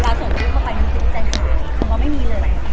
เวลาส่งผู้เข้าไปมันคือใจหาย